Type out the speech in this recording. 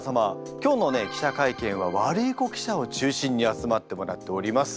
今日のね記者会見はワルイコ記者を中心に集まってもらっております。